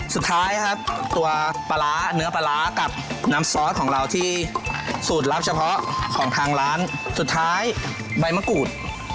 สุดท้ายครับตัวปลาร้าเนื้อปลาร้ากับน้ำซอสของเราที่สูตรลับเฉพาะของทางร้านสุดท้ายใบมะกรูด